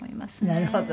なるほどね。